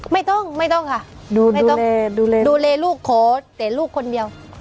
ไม่ต้องไม่ต้องค่ะดูดูเลดูเลดูเลลูกโขแต่ลูกคนเดียว